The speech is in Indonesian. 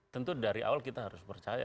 tentu dari awal kita harus percaya